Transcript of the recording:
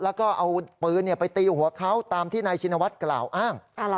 แล้วก็เอาปืนไปตีหัวเขาตามที่นายชินวัฒน์กล่าวอ้าง